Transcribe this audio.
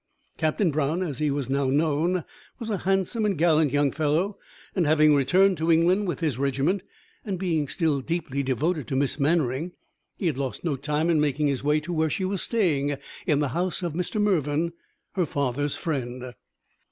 Captain Brown, as he was now known, was a handsome and gallant young fellow; and, having returned to England with his regiment, and being still deeply devoted to Miss Mannering, he had lost no time in making his way to where she was staying in the house of Mr. Mervyn, her father's friend.